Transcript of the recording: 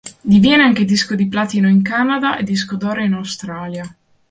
Diviene anche disco di platino in Canada e disco d'oro in Australia.